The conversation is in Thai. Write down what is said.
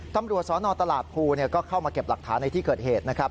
ตำรวจสนตลาดภูก็เข้ามาเก็บหลักฐานในที่เกิดเหตุนะครับ